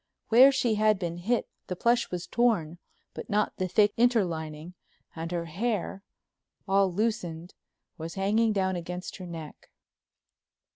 Where she had been hit the plush was torn but not the thick interlining, and her hair, all loosened, was hanging down against her neck.